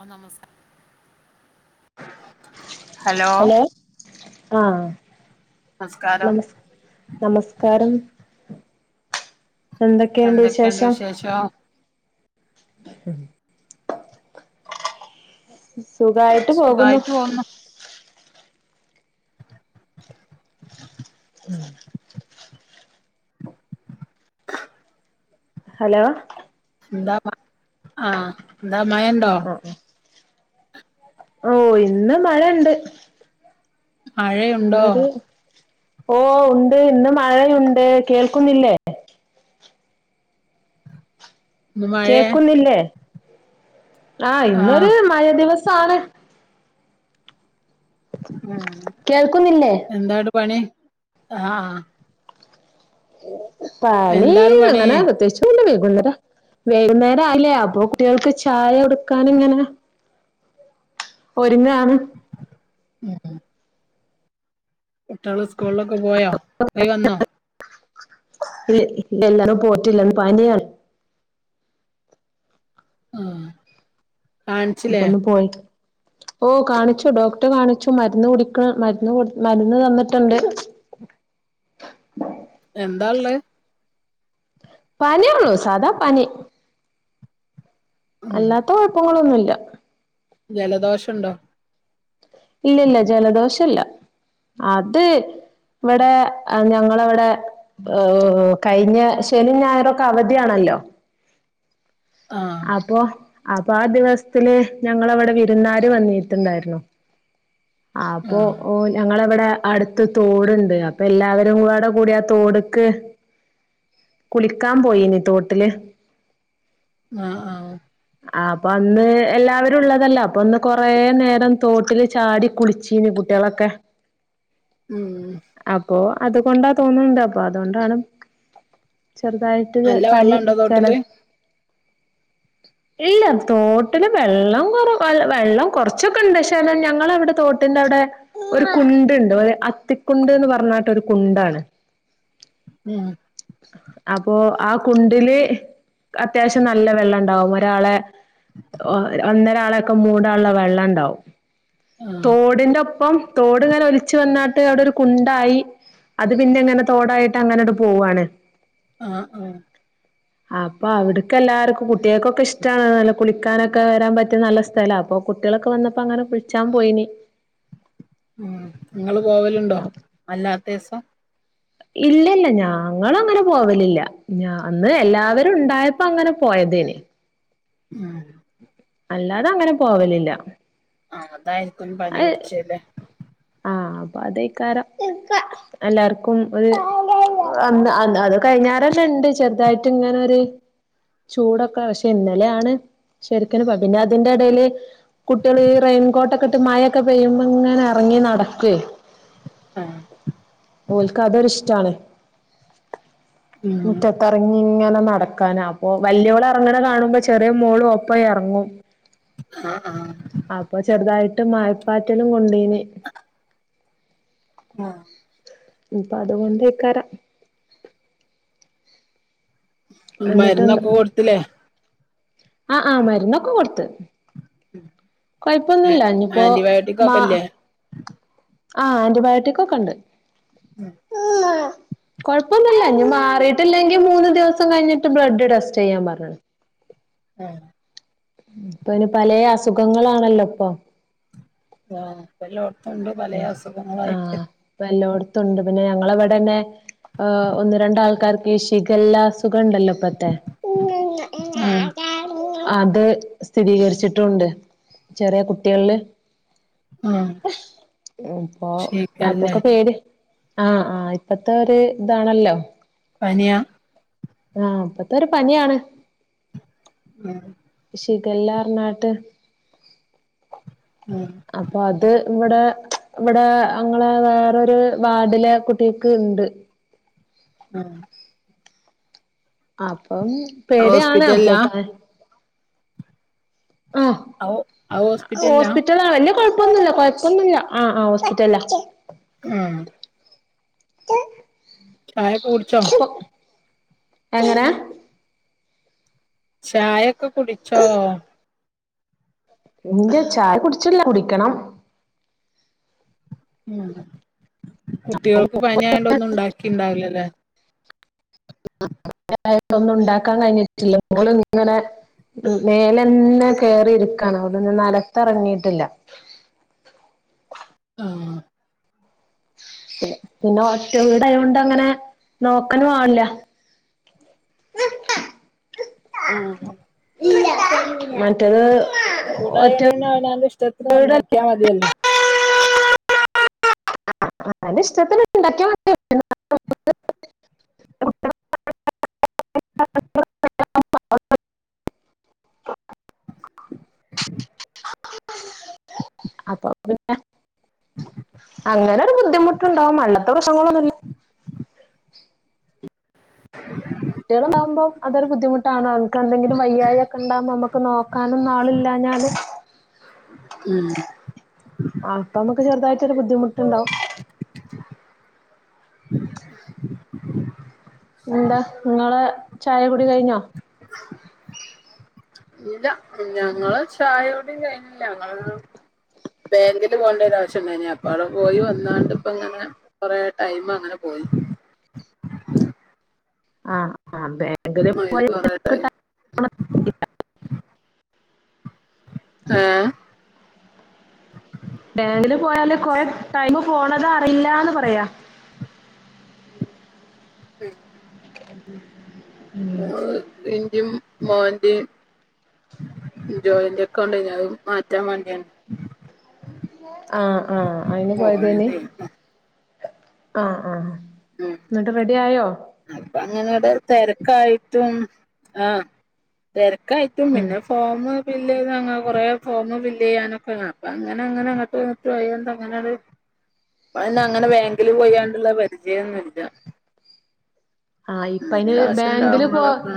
ആ നമസ്കാരം [inaudible] ഹലോ ആഹ് നമസ്കാരം നമസ് നമസ്കാരം എന്തൊക്കെയുണ്ട് വിശേഷം. [unintelligible] സുഖായിട്ട് പോകുന്നു സുഖായിട്ട് പോന്നു [inaudible] ഹലോ ന്താ ആഹ് ന്താ മയണ്ടോ? [unintelligible] ഓ ഇന്ന് മഴണ്ട് മഴയുണ്ടോ ഇന്നൊരു ഓ ഉണ്ട് ഇന്ന് മഴയുണ്ട് കേൾക്കുന്നില്ലേ ഇന്ന് മഴേ കേക്കുന്നില്ലേ ആഹ് ഇന്നൊരു മയ ദിവസാണ്. ഉ കേൾക്കുന്നില്ലേ എന്താടെ പണി ആഹ് പണി എന്താണ് പണി അങ്ങനെ പ്രതേയിച്ചു [unintelligible] വൈകുന്നേരം ആയില്ലേ അപ്പൊ കുട്ടികൾക്ക് ചായ കൊടുക്കാൻ ഇങ്ങനെ ഒരുങ്ങാണ് ഉം ഉം കുട്ട്യാൾ സ്കൂളിലൊക്കെ പോയോ പോയി വന്നോ ഇല് എല്ലാരും പോയിട്ടില്ലന്ന് പനിയാണ് ആഹ് കാണിച്ചില്ലേ അപ്പൊന്ന് പോയി ഓ കാണിച്ചു ഡോക്ടർ കാണിച്ചു മരുന്ന് കുടിക്ക മരുന്ന് മരുന്ന് തന്നിട്ടുണ്ട് എന്താള്ളേ പനി ഒള്ളു സാധാ പനി ഉം അല്ലാത്ത കുഴപ്പങ്ങളൊന്നുല്ല ജലദോഷണ്ടോ ഇല്ലല്ല ജലദോഷല്ല അത് ഇവടെ ആ ഞങ്ങളവടെ ഓ കഴിഞ്ഞ ശനി ഞായറൊക്കെ അവധിയാണല്ലോ ആഹ് അപ്പൊ അപ്പൊ ആ ദിവസത്തില് ഞങ്ങളവടെ വിരുന്നാര് വന്നിട്ടുണ്ടായിരുന്നു ആപ്പൊ ആഹ് ഓ ഞങ്ങളവടെ അടുത്ത് തോടുണ്ട് അപ്പൊ എല്ലാവരും കൂടെ കൂടിയാ തോടുക്ക് കുളിക്കാൻ പോയിനി തോട്ടില് ആഹ് ആഹ് ആ അപ്പൊ അന്ന് എല്ലാവരും ഉള്ളതല്ലെ അപ്പൊ ഒന്ന് കൊറേ നേരം തോട്ടില് ചാടി കുളിച്ചീനി കുട്ടികളൊക്കെ ഉം അപ്പൊ അതുകൊണ്ടാ തോന്നുണ്ട് അപ്പൊ അതുകൊണ്ടാണ് ചെറുതായി നല്ല വെള്ളണ്ടോ തോട്ടില് ഇല്ല തോട്ടില് വെള്ളം കൊറ വെള്ളം കൊറച്ചൊക്കെ ണ്ട് ക്ഷെ ഞങ്ങളവിടെ തോട്ടിന്റെ അവടെ ഒരു കുണ്ടുണ്ട് ഒരു അത്തിക്കുണ്ട്ന്ന് പറഞ്ഞാട്ട് ഒരു കുണ്ടാണ് ഉം അപ്പൊ ആ കുണ്ടില് അത്യാവശ്യം നല്ല വെള്ളം ഇണ്ടാവും ഒരാളെ ഓ ഒന്നരാളൊക്കെ മൂടാനുള്ള വെള്ളം ഇണ്ടാവും ആഹ് തോടിന്റെ ഒപ്പം തോട് ഇങ്ങനെ ഒലിച്ച് വന്നാട്ട് അവിടെ ഒരു കുണ്ടായി അത് പിന്നെ ങ്ങനെ തോടായിട്ട് അങ്ങനെങ്ങണ്ട് പോവാണ് ആഹ് ആഹ് അപ്പൊ അവിടക്കു എല്ലാർക്കും കുട്ടികൾക്കൊക്കെ ഇഷ്ടാണ് നല്ല കുളിക്കാനൊക്കെ വരാൻ പറ്റിയ നല്ല സ്ഥലാ അപ്പൊ കുട്ടികളൊക്കെ വന്നപ്പോ അങ്ങനെ കുളിച്ചാൻ പോയിനി ഉം ഇങ്ങള് പോവലുണ്ടോ അല്ലാത്ത ദീസം ഇല്ലല്ല ഞങ്ങളങ്ങനെ പോവലില്ല ഞ ഇന്ന് എല്ലാവരും ഉണ്ടായപ്പോ അങ്ങനെ പോയദെനി ഉം അല്ലാതെ അങ്ങനെ പോവലില്ല ആഹ് അതായിരിക്കും പനി അത് പിടിച്ചത് ആഹ് അപ്പൊ അദെക്കാരം എല്ലാർക്കും ഒരു അന്ന് അത് കഴിഞ്ഞാരെന്നെ ഇണ്ട് ചെറുതായിട്ട് ഇങ്ങനെരു ചൂടൊക്കെ പക്ഷെ ഇന്നലെണ് ശരിക്കും പിന്നെ അതിന്റെ ഇടയിൽ കുട്ടികള് ഈ റെയിൻകോട്ടൊക്കെ ഇട്ട് മഴൊക്കെ പെയ്യുമ്പോങ്ങനെ ഇറങ്ങി നടക്കു ആഹ് ഓൽക്ക് അതൊര് ഇഷ്ടാണ് ഉം മുറ്റത്തർങ്ങി ഇങ്ങനെ നടക്കാനാ ഓ വല്യോള് ഇറങ്ങണ കാണുമ്പോ ചെറിയ മോളും ഒപ്പം ഇറങ്ങും ആഹ് ആഹ് അപ്പം ചെറുതായിട്ട് മഴപ്പാറ്റലും കൊണ്ടീനി ആഹ് ഇപ്പം അത് കൊണ്ടയ്‌ക്കാരം എന്നിട്ട്ണ്ട് മരുന്നൊക്കെ കൊടുത്തിലെ ആ ആ മരുന്നൊക്കെ കൊടുത്ത് കൊഴപ്പൊന്നുല്ല ഇനിയിപ്പോ മാ ആന്റിബയോട്ടിക്കൊക്കെ ല്ലേ ആ ആന്റിബയോട്ടിക് ഒക്കെ ഇണ്ട് ഉം കുഴപ്പൊന്നുല്ല ഇഞ് മാറിയിട്ടില്ലെങ്കിൽ മൂന്ന് ദിവസം കഴിഞ്ഞിട്ട് ബ്ലഡ് ടെസ്റ്റ് ചെയ്യാൻ പറഞ്ഞിണ് ആഹ് ഇപ്പൊരു പലെ അസുഖങ്ങളാണല്ലോ ഇപ്പൊ ആഹ് എല്ലോട്ത്തുണ്ട് പലെ അസുഖങ്ങളായിട്ട് പ്പെ എല്ലോട്ത്തുണ്ട് പിന്നെ ഞങ്ങളവിടെന്നെ ആ് ഒന്ന് രണ്ടാൾക്കാർക്ക് ഈ ശിഖല്ല അസുഖണ്ടല്ലോ ഇപ്പത്തെ ഉം അത് സ്ഥിരീകരിച്ചിട്ടുണ്ട് ചെറിയ കുട്ടികളില് ഉം ഇപ്പൊ അപ്പൊക്കെ പേര് ആഹ ആഹ ഇപ്പത്തെ ഒരു ഇതാണല്ലോ പനിയ ആഹ അപ്പത്തെ ഒരു പനിയാണ് ഉം ഷിഖല്ലർനാട്ട് ഉം അപ്പൊ അത് ഇവിടെ ഇവിടെ അങ്ങെ വേറൊരു വാർഡിലെ കുട്ടികക്ക് ഉണ്ട് ആഹ അപ്പം പേടി ആണ അപ്പൊ ഹോസ്പിറ്റലിലാ പ ആ ഔ അത് ഹോസ്പിറ്റലിലാ ഹോസ്പിറ്റ റ്റല വലിയ കൊഴപ്പൊന്നുല്ല കൊഴപ്പൊന്നുല്ല ആഹ് ആഹ് ഓസ്പിറ്റല. ഉം ചായൊക്കെ കുടിച്ചോ [inaudible] എങ്ങനാ ചായൊക്കെ കുടിച്ചോ എന്റെ ചായ കുടിച്ചില്ല കുടിക്കണം ഉ കുട്ടികൾക്ക് പനി ആയണ്ട ഒന്നും ഉണ്ടാക്കിണ്ടാവില്ല ഒന്നും ഉണ്ടാക്കാൻ കഴിഞ്ഞിട്ടില്ല [unintelligible] ഇങ്ങനെ മേലന്നെ കേറി ഇരിക്കാണ് അവിട്ന്ന് നെലത്തറങ്ങീട്ടില്ല. ആഹ്. ന്നെ പിന്നെ ഒറ്റ വീടായോണ്ടങ്ങനെ നോക്കനു ആൾല്ല. ഒഹ് [inaudible] മറ്റത് കൂടായാൽന്നെ അവനാൻ്റിഷ്ടത്തിൻ നന്നാക്കിയ മതിയല്ലോ. ആഹ് അൻ്റിഷ്ടത്തിന്ണ്ടാക്കിയമ അപ്പൊ പിന്നെ അങ്ങനെ ഒരു ബുദ്ധിമുട്ടുണ്ടാവും അല്ലത്തെ പ്രശനങ്ങളൊന്നു [inaudible] കുട്ടികളാവുമ്പോ അതൊരു ബുദ്ധിമുട്ടാണ് അവർക്കെന്തെങ്കിലു വെയ്യായൊക്കെണ്ടാമ്പോ നമ്മക്ക് നോ ക്കാനൊന്നു ആളില്ലാഞ്ഞാല് ഉഹ്. അ അപ്പൊമ്മക്ക് ചെറുതായിട്ടൊരു ബുദ്ധിമുട്ടുണ്ടാവും. ന്താ ഇങ്ങളെ ചായ കുടി കഴിഞ്ഞോ? [inaudible] ഇല്ല ഞങ്ങളെ ചായയുടി കഴിഞില്ല ഞങ്ങള് ബേങ്കിൽ പോണ്ടെ ഒരാശ്യണ്ടായിന് എ അപ്പാവ്ട് പോയി വന്നാണ്ട്പ്പങ്ങനെ കൊറെ ടൈമങ്ങനെ പോയി. ആഹ് അതെ. ക്കുളില് കൊറേട്ടായി. ഏഹ് ബേങ്കില് പോയാല് കൊറെ ടൈമ് പോണത് അറിയില്ലാന്ന് പറയാ. [unintelligible] ഉഹ് ഉഹ്. ഇൻ്റ മോൻ്റ ജോയിൻ്റക്കൊടെയ്‌നു അഹ് മാറ്റാൻ വാണ്ടിയാണ്. ആഹ് ആഹ് അയിന് പോയതേയ്നി? പോയതേനി ആഹ് ആഹ് ഉഹ് ന്നട്ട് റെഡി ആയോ? അപ്പൊ അങ്ങനവിടെ തെരക്കായിട്ടും. ആഹ്. തെരക്കായിട്ടും ഉം പിന്നെ [unintelligible] ഫോമ് ഫില്ലെയ്തങ്ങ കൊറേ ഫോമ് ഫില്ലെയ്യാനൊക്കൊങ്ങ. അപ്പ അങ്ങനെ അങ്ങനെ അങ്ങ്ട്ട് സ്വയന്തങ്ങനൊരു. [unintelligible] അങ്ങനെ വേങ്കില് പോയണ്ട്ള്ള പരിചയൊന്നുല്ല. ആഹ്. ഇപ്പയ്ന് എന്തെങ്കിലും ആവശ്യം ബേങ്കില് പോ ഉണ്ടാവുമ്പോളൊക്കെ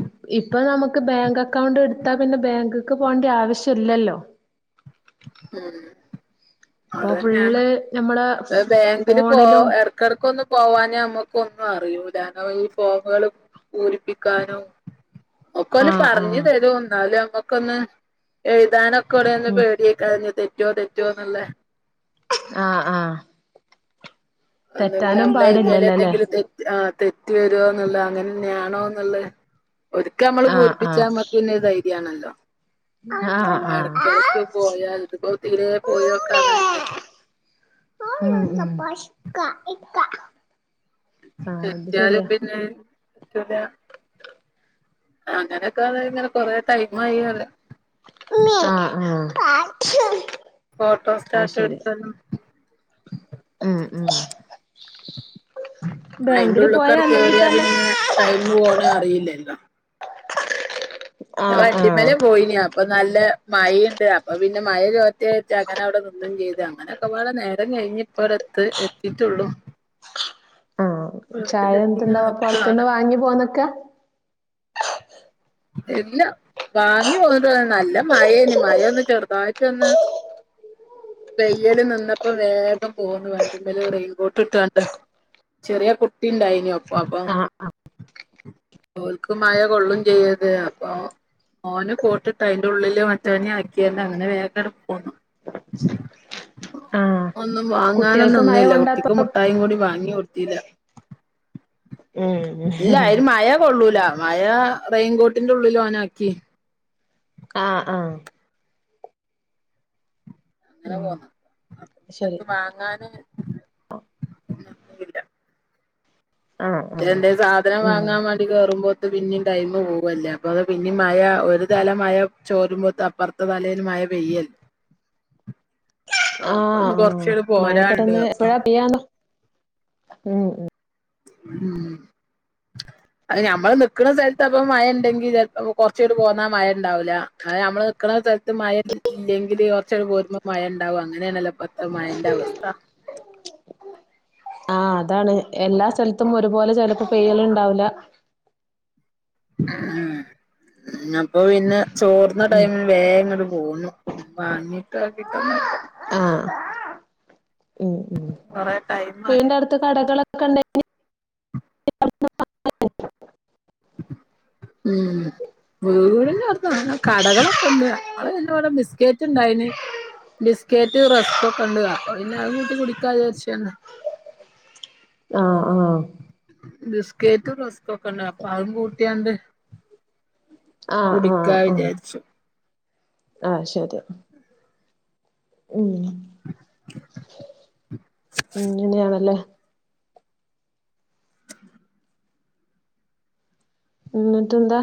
ഇപ് ഇപ്പൊ നമുക്ക് ബാങ്കക്കൗണ്ട്ട്ത്താ പിന്നെ ബാങ്ക്ക് പോണ്ട്യാവ്ശ്യല്ലല്ലോ. ഉം. ഇപ്പൊ അതെന്നേണ്. ഫുള്ള് നമ്മളെ വെ ബേങ്കില് പോ ഫോണിലും എർ. ക്കെട്ക്കൊന്നു പോവാഞ്ഞ മ്മക്കൊന്നു അറിയൂല. ഇങ്ങളീ ഫോമേള് പൂരിപ്പിക്കാനും ഒക്കോല് ആഹ് ആഹ് പറഞ്ഞ്തരും ന്നാലുമ്മക്കൊന്ന് എഴുതാനൊക്കെ ഒവ്ടേന്ന് ഉം പേടിയെ ക്കാഞ്ഞി [unintelligible] റ്റോ തെറ്റോന്ന്ള്ളേ [inaudible] ആഹ് ആഹ് തെറ്റാനും പാടില്ലല്ലോല്ലേ എന്തെങ്കിലമ്മളെഴുതീലെന്തെങ്കിലും തെറ്റ് ആ തെറ്റ് വരോന്നുള്ള അങ്ങനെന്നെ ആണോന്നുള്ളെ. ഒരിക്കമ്മള് ആഹ് ആഹ് പൂരിപ്പിച്ചാമ്മക്ക് പിന്നെ ധൈര്യാണല്ലോ. ആഹ് ആഹ് ആഹ് എട്ക്കട്ക്ക് പോയാൽ ഇതിപ്പം തീരേ പോയോക്കാതായിട്ട് [inaudible] ഉം ഉം ഉം [inaudible] തെറ്റ്യാലും പിന്നെ [unintelligible] ല. അങ്ങനൊക്കെ അതെ ഇങ്ങനെ കൊറേ ടൈമായ്യീ അറിയ. [inaudible] ആഹ് ആഹ്. [inaudible] ഫോട്ടോ അത് സ്റ്റാറ്റ് ശരി എടുത്തനും ഉം ഉം അയിന്റെ ബാങ്കില് പോയാ ഉള്ള്ക്കാണ്ട് അല്ലെങ്കി കേറിയാ തന്നെ പിന്നെ ടൈമ് പോണ അറില്ലല്ലോ. ആഹ് ആഹ് വണ്ടിമലെ പോയിന്യാ പ്പൊ നല്ല മഴീണ്ട്. അപ്പൊ പിന്നെ മഴ ചോരട്ടെ രിച്ച് അങ്ങനെ അവിടെ നിന്നും ചെയ്തു. അങ്ങനൊക്കെപാടെ നേരം കഴിഞ്ഞ്. പ്പറത്ത് എത്തിട്ടുള്ളൂ. ആഹ് ചായ എന്തുണ്ടോ? [inaudible] നിക്കാണ് പൊറത്ത്ന്ന് വാങ്ങി പോന്നക്കാ? ഇല്ല. വാങ്ങി പോ [unintelligible] നല്ല മഴേ നി. മഴ ഒന്ന് ചെറുതായിട്ടൊന്ന്. പെയ്യല് നിന്നപ്പോ വേഗം പോന്ന് വണ്ടിമ്മേല് റെയിൻകോട്ട് ട്ടാണ്ട്. ചെറിയ കുട്ടി ണ്ടായിനി ഒപ്പ അപ്പൊ ആഹ് ഓൽക്ക് മഴ കൊള്ളും ചെയ്യര്ത്. അപ്പൊ ഓന് കോട്ടിട്ട് അയിന്റെ ഉള്ളില് മറ്റോനിം ആക്കിയാണ്ട് അങ്ങനെ വേഗങ്ങട്ട് പോന്നു. [inaudible] ആഹ് ഒന്നും വാങ്ങാനും കുട്ടികൾക്ക് മഴ നിന്നില്ല. കൊണ്ടാപ്പ കുട്ടിക്ക് മുഠായും കൂടി വാങ്ങി കൊടുത്തീല്ല. ഉം [inaudible] ഇല്ല യിന്നു മാ [unintelligible] ള്ളൂല മഴാ റെയിൻകോട്ടിന്റെ ഉള്ളില് ഓന ആക്കി. ആ. ആ. അങ്ങനെ ഉം പോന്ന്. അപ്പപ്പിന്നെ ശരി എത്തും മാങ്ങാന് ആഹ് [unintelligible] ആഹ് എന്തൽ സാധനം ഉം വാങ്ങാൻ [unintelligible] [unintelligible] കേറുമ്പോത്ത് പിന്നിം ടൈമ് പോവല്ലേ അപ്പ അത് പിന്നിം മഴ ഒരു തല മഴ ചോരുമ്പോത്ത് അപ്പറ [unintelligible] വലേലു മഴ പെയ്യല്ലേ ആഹ് അപ്പൊന്ന് ആ. കൊറച്ചട് മഴ പോരാണ്ട് പെട്ടന്ന് അപ്പം എപ്പഴാ പെയ്യാന്ന്. ഉം. ഉം. [unintelligible] അ ഞമ്മള് നിക്ക്ണ സ്ഥലത്ത് അപ്പ മഴ ണ്ടെങ്കി ചെലപ്പം കൊറച്ചയിഞ്ഞിട്ട് പോന്നാ മഴ ണ്ടാഉല്ല. അത നമ്മള് ന്ക്ക്ണ സ്ഥലത്ത് മഴ ഇല്ലെ ഇല്ലെങ്കില് ഒറച്ചണ്ട് പോരുമ്പം മഴണ്ടാവും അങ്ങനെയണല്ലോ [unintelligible] പ്പത്തെ മഴന്റെ അവസ്ഥ ആ. അതാണ് എല്ലാ സ്ഥലത്തും ഒരുപോലെ ചെലപ്പോ പെയ്യല് ണ്ടാഉല. ഉം. അപ്പൊ പിന്നെ ചോർന്ന ഉം ടൈമിൽ വേഗങ്ങട്ട് പോന്നു വാങ്ങിട്ട് ആക്കിട്ടൊന്നുല്ല. ആഹ. [inaudible] ഉം. ഉം. കൊറേ ടൈം വീന്റെ ആയോണ്ട് അടുത്ത് കടകളൊക്കെ ഉണ്ട ഉം വീടിന്ടുത്തൊന്നു കടകളൊക്കെ ഉണ്ട് അ പിന്നെ ഇവിടെ ബിസ്കറ്റ് ഉണ്ടായിന് ബിസ്കറ്റ് റസ്ക്ക്കെ ഉണ്ട് അപ്പൊ പിന്നെ അതുംകൂട്ടി കുടിക്കാ വിചരിച്ചെ ആഹ് ആഹ് ബിസ്‌ക്കറ്റ് റെസ്ക് ഒക്കെ ഉണ്ടാ പ്പ അതുക്കുട്ടിയാണ്ട് ആഹ് കുടിക്ക വിചാരിച്ചു ആഹ ശരി ഉം ഉങ്ങനെയണല്ലേ എന്നിട്ടെന്താ